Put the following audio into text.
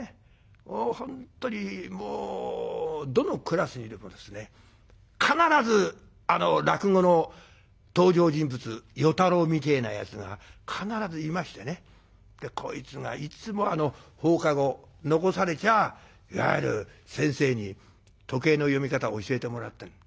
もう本当にどのクラスにもですね必ず落語の登場人物与太郎みてえなやつが必ずいましてねこいつがいつも放課後残されちゃいわゆる先生に時計の読み方を教えてもらってる。